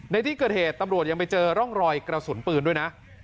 ในที่เกิดเหตุตำรวจยังไปเจอร่องรอยกระสุนปืนด้วยนะ